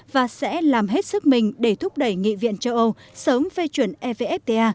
và sẽ làm hết sức mình để thúc đẩy nghị viện châu âu sớm phê chuẩn evfta